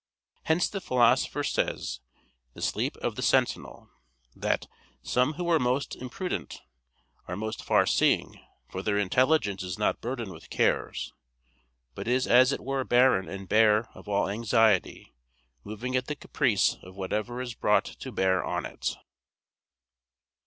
Hence the Philosopher says (De Somn. et Vig.), that "some who are most imprudent are most far seeing; for their intelligence is not burdened with cares, but is as it were barren and bare of all anxiety moving at the caprice of whatever is brought to bear on it."